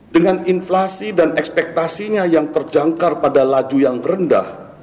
dengan inflasi dan ekspektasinya yang terjangkar pada laju yang rendah